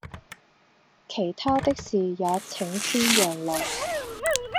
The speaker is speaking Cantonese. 其他的事也請先讓路